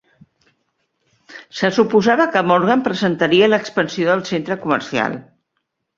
Se suposava que Morgan presentaria l'expansió del centre comercial.